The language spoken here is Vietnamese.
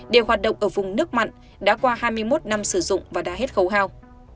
đều hoạt động ở vùng nước mặn đã qua hai mươi một năm sử dụng và đã hết khấu hào